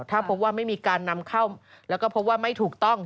ถ้าพบว่าไม่มีการนำเข้าแล้วก็พบว่าไม่ถูกต้อง